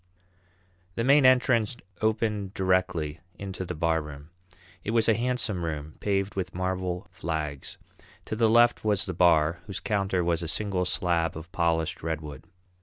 The main entrance opened directly into the barroom. It was a handsome room, paved with marble flags. To the left was the bar, whose counter was a single slab of polished redwood.